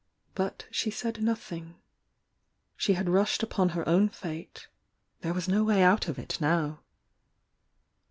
But she said nothing. She had rushed upon her own fate, — there was no way out of it now.